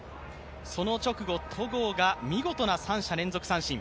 その直後、戸郷が見事な三者連続三振。